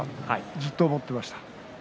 ずっと思っていました。